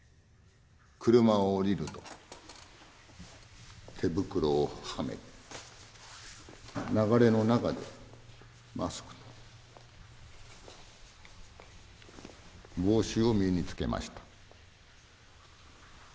車を降りると手袋をはめ流れの中でマスク帽子を身につけました。